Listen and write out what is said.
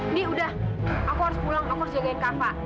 ndi udah aku harus pulang aku harus jagain kakak pak